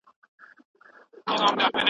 خلک حيران کړه غاړه راکه